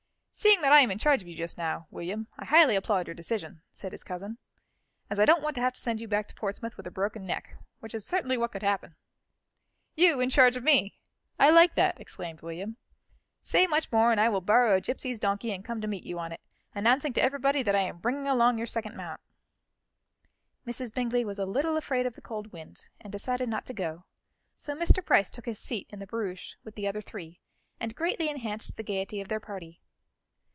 "Seeing that I am in charge of you just now, William, I highly applaud your decision," said his cousin, "as I don't want to have to send you back to Portsmouth with a broken neck, which is certainly what could happen." "You in charge of me! I like that," exclaimed William. "Say much more, and I will borrow a gypsy's donkey and come to meet you on it, announcing to everybody that I am bringing along your second mount." Mrs. Bingley was a little afraid of the cold wind, and decided not to go, so Mr. Price took his seat in the barouche with the other three, and greatly enhanced the gaiety of their party.